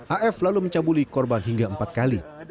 af lalu mencabuli korban hingga empat kali